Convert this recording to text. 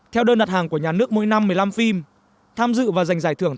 theo đơn đặt hàng của nhà nước mỗi năm một mươi năm phim tham dự và giành giải thưởng